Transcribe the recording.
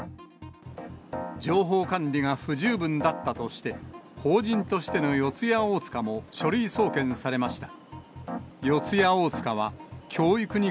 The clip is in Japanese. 情報管理が不十分だったとして、法人としての四谷大塚も書類送検されました。